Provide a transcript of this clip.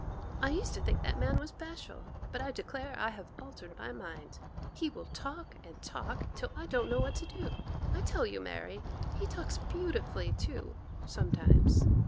I used to think that man was bashful, but I declare I have altered my mind. He will talk and talk, 'till I don't know what to do. I tell you, Mary, he talks beautifully too, sometimes.